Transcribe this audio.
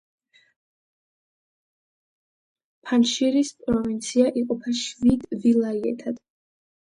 ფანჯშირის პროვინცია იყოფა შვიდ ვილაიეთად.